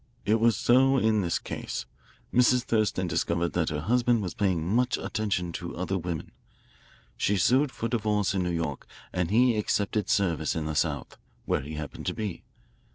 It was so in this case. Mrs. Thurston discovered that her husband was paying much attention to other women. She sued for divorce in New York, and he accepted service in the South, where he happened to be.